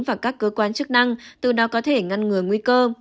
và các cơ quan chức năng từ đó có thể ngăn ngừa nguy cơ